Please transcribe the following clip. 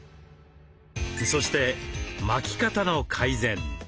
そして巻き肩の改善。